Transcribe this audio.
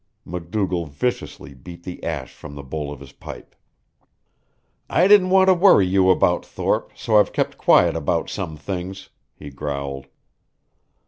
MacDougall viciously beat the ash from the bowl of his pipe. "I didn't want to worry you about Thorpe, so I've kept quiet about some things," he growled.